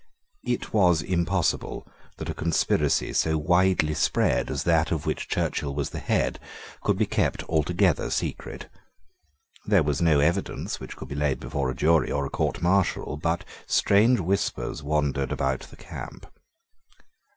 It was impossible that a conspiracy so widely spread as that of which Churchill was the head could be kept altogether secret. There was no evidence which could be laid before a jury or a court martial: but strange whispers wandered about the camp.